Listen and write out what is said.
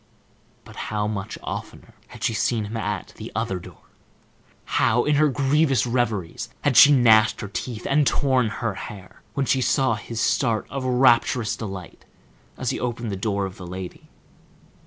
But how much oftener had she seen him at the other door! How in her grievous reveries had she gnashed her teeth, and torn her hair, when she saw his start of rapturous delight as he opened the door of the lady!